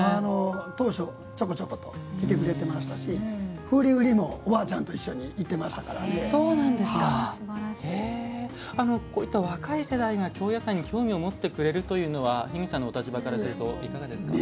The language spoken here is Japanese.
当初、ちょこちょこと来てくれてましたし振り売りもおばあちゃんと一緒にこういった若い世代が京野菜に興味を持ってくれるというのは樋口さんのお立場からするといかがですか？